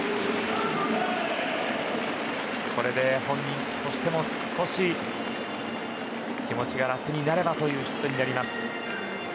これで本人としても少し気持ちが楽になればというヒットになります。